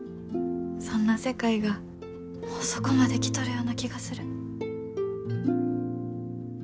そんな世界がもうそこまで来とるような気がする。